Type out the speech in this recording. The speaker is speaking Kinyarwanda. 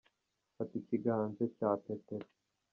Fata ikiganze cya Petero.